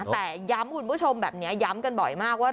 แต่ย้ำคุณผู้ชมแบบนี้ย้ำกันบ่อยมากว่า